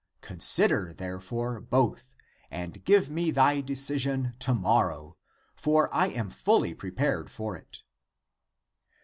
Consider, therefore, both, and give me thy decision to morrow! For I am fully prepared for it."